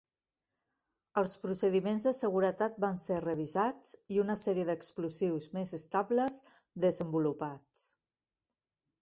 Els procediments de seguretat van ser revisats i una sèrie d'explosius més estables desenvolupats.